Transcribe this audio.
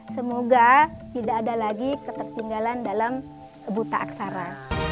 semoga tidak ada lagi ketertinggalan dalam buta aksara